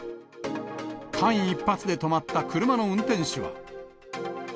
間一髪で止まった車の運転手は。